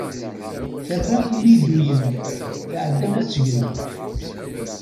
Terra iriduyen, tεedda ad tgen.